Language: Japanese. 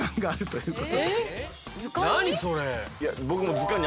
何それ？